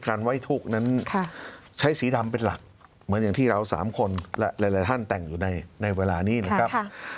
ไว้ทุกข์นั้นใช้สีดำเป็นหลักเหมือนอย่างที่เราสามคนและหลายท่านแต่งอยู่ในเวลานี้นะครับ